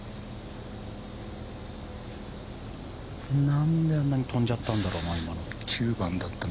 何であんなに飛んじゃったんだろうな。